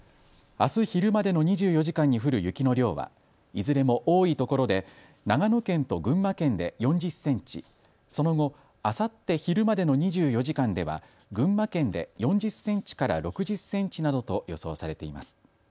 あす昼までの２４時間に降る雪の量はいずれも多いところで長野県と群馬県で４０センチ、その後、あさって昼までの２４時間では群馬県で４０センチから６０センチなどと予想されています。